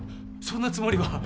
そんなつもりは。